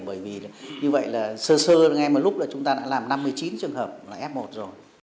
bởi vì như vậy là sơ sơ sơ ngay một lúc là chúng ta đã làm năm mươi chín trường hợp là f một rồi